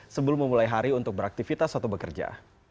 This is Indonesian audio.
sebelum memulai hari untuk beraktivitas atau bekerja